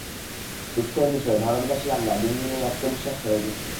দুঃখের বিষয়, ভারতবাসী আমরা দিন দিন এই আত্মবিশ্বাস হারাইতেছি।